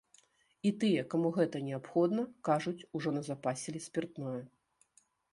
І тыя, каму гэта неабходна, кажуць, ужо назапасілі спіртное.